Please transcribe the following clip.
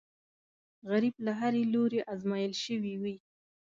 غریب له هرې لورې ازمېیل شوی وي